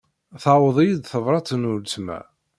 Tewweḍ-iyi-d tebrat n ultma.